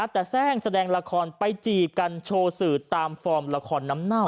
แต่แทร่งแสดงละครไปจีบกันโชว์สื่อตามฟอร์มละครน้ำเน่า